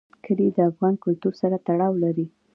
کلي د افغان کلتور سره تړاو لري.